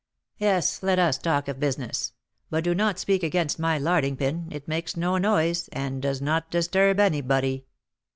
"Yes, let us talk of business; but do not speak against my 'larding pin;' it makes no noise, and does not disturb anybody."